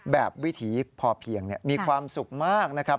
วิถีพอเพียงมีความสุขมากนะครับ